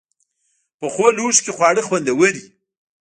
پخو لوښو کې خواړه خوندور وي